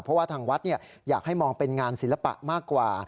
เพราะว่าทางวัดอยากให้มองเป็นงานศิลปะมากกว่า